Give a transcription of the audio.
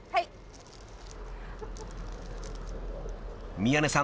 ［宮根さん